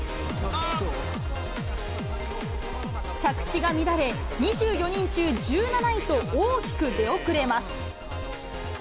着地が乱れ、２４人中１７位と、大きく出遅れます。